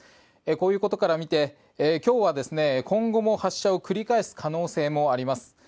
こういうことから見て今日は今後も発射を繰り返す可能性もあります。